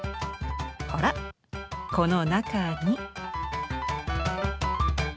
ほらこの中に。